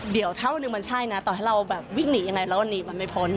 เดี๋ยวถ้าวันนึงมันใช่นะตอนให้เราวิ่งหนีอย่างไรแล้วหนีมันไม่พ้น